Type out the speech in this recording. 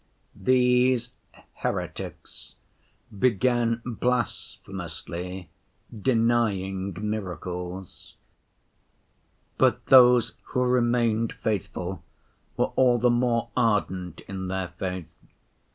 These heretics began blasphemously denying miracles. But those who remained faithful were all the more ardent in their faith.